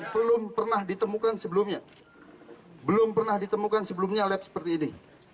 belum pernah ditemukan sebelumnya belum pernah ditemukan sebelumnya lab seperti ini